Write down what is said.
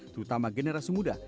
terutama generasi muda